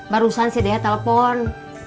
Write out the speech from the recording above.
barusan si dea telepon